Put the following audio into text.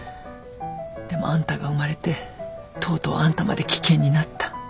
でもあんたが生まれてとうとうあんたまで危険になった。